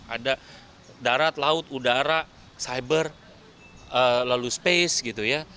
ada darat laut udara cyber lalu space gitu ya